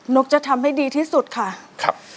นกจะทำให้ดีที่สุดค่ะ